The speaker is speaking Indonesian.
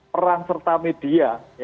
perang serta media